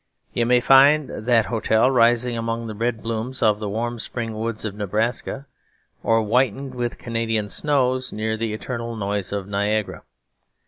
You may find that hotel rising among the red blooms of the warm spring woods of Nebraska, or whitened with Canadian snows near the eternal noise of Niagara.